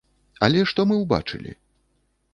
Але што мы ўбачылі?